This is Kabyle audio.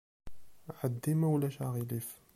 Ɛeddi, ma ulac aɣilif.